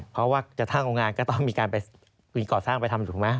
เพราะว่าจะสร้างโรงงานก็ต้องมีการไปก่อสร้างไปทำถูกไหม